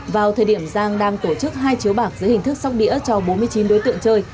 vào thời điểm giang đang tổ chức hai chiếu bạc dưới hình thức sóc đĩa cho bốn mươi chín đối tượng chơi